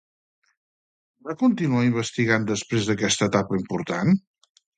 Va continuar investigant després d'aquesta etapa important?